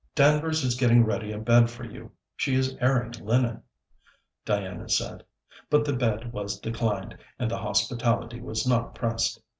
'Danvers is getting ready a bed for you; she is airing linen,' Diana, said. But the bed was declined, and the hospitality was not pressed.